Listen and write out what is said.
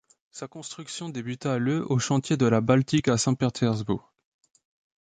Sa construction débuta le au chantier de la Baltique à Saint-Pétersbourg.